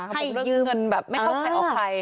ครับผมเรื่องเงินแบบไม่ต้องใช้ออกไพ